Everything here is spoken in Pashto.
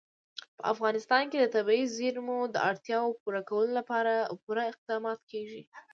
په افغانستان کې د طبیعي زیرمو د اړتیاوو پوره کولو لپاره پوره اقدامات کېږي.